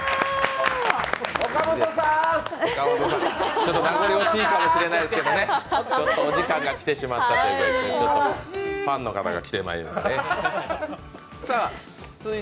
ちょっと名残惜しいかもしれないですがお時間がきてしまったということでファンの方が来ていますね。